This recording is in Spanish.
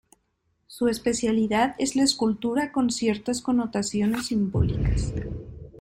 Su especialidad es la escultura con ciertas connotaciones simbólicas.